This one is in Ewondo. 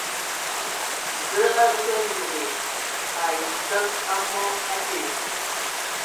Zoe a dugan yoge ai kǝg a mɔ, a bee !